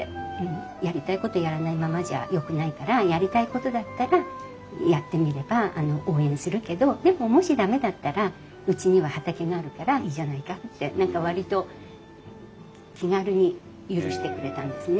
やりたいことやらないままじゃよくないからやりたいことだったらやってみれば応援するけどでももし駄目だったらうちには畑があるからいいじゃないかって何か割と気軽に許してくれたんですね。